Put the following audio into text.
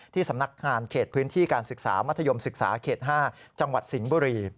สำนักงานเขตพื้นที่การศึกษามัธยมศึกษาเขต๕จังหวัดสิงห์บุรี